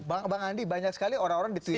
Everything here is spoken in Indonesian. bang andi banyak sekali orang orang di twitter